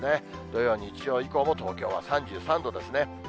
土曜、日曜以降も東京は３３度ですね。